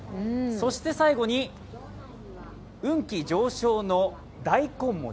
そして最後に、運気上昇の大根餅。